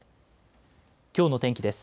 きょうの天気です。